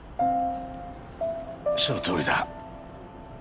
そのとおりだ。